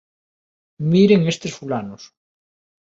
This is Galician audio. Miren estes fulanos.